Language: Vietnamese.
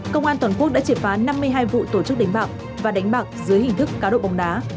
công an toàn quốc đã triệt phá năm mươi hai vụ tổ chức đánh bạc và đánh bạc dưới hình thức cá độ bóng đá